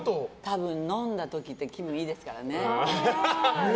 飲んだ時って気分がいいですからね。